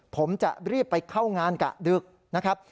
ผมจะรีบไปเข้างานกะดึกนะครับ